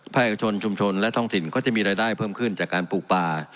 เอกชนชุมชนและท้องถิ่นก็จะมีรายได้เพิ่มขึ้นจากการปลูกป่า